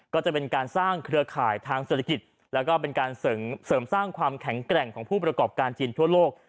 ก็จะเป็นการสร้างเครือข่ายทางเศรษฐกิจแล้วก็เป็นการเสริมสร้างความแข็งแกร่งของผู้ประกอบการจีนทั่วโลก